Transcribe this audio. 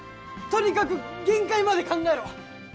とにかく限界まで考えろ！